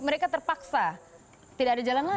mereka terpaksa tidak ada jalan lain